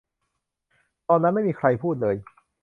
ตอนนั้นไม่มีใครพูดเลย